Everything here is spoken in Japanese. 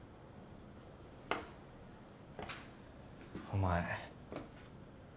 お前